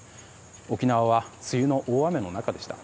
沖縄は梅雨の大雨の中でした。